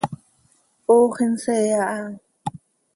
Ox insee aha.